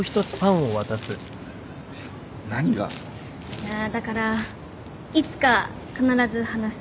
いやだからいつか必ず話す。